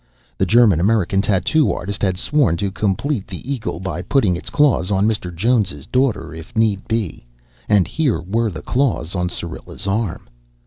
The German American tattoo artist had sworn to complete the eagle by putting its claws on Mr. Jones's daughter, if need be, and here were the claws on Syrilla's arm.